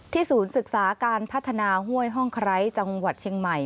ศูนย์ศึกษาการพัฒนาห้วยห้องไคร้จังหวัดเชียงใหม่